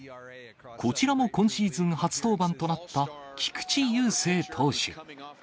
こちらも今シーズン初登板となった菊池雄星投手。